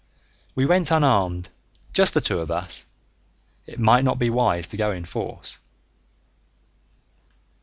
We went unarmed, just the two of us; it might not be wise to go in force.